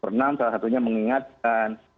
presiden nomor enam salah satunya mengingatkan